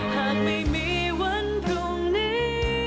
หากไม่มีวันพรุ่งนี้